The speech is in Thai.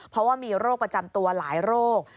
เพราะว่ามีโรคประจำตัวหลายโรค